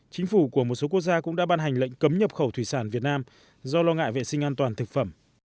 chính phủ của một số quốc gia cũng đã ban hành lệnh cấm nhập khẩu thủy sản việt nam do lo ngại vệ sinh an toàn thực phẩm